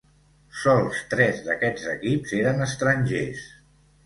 Sols tres d'aquests equips eren estrangers.